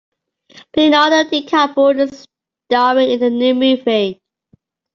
Leonardo DiCaprio is staring in the new movie.